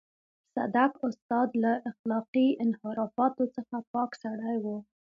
صدک استاد له اخلاقي انحرافاتو څخه پاک سړی و.